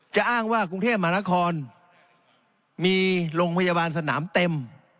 อ้างว่ากรุงเทพมหานครมีโรงพยาบาลสนามเต็ม